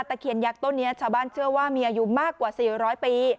เคียนยักษ์ต้นนี้ชาวบ้านเชื่อว่ามีอายุมากกว่า๔๐๐ปี